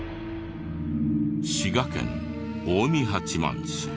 滋賀県近江八幡市。